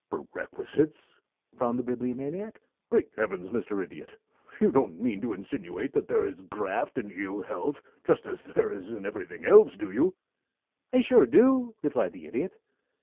"Perquisites?" frowned the Bibliomaniac. "Great Heavens, Mr. Idiot, you don't mean to insinuate that there is graft in ill health, just as there is in everything else, do you?" "I sure do," replied the Idiot.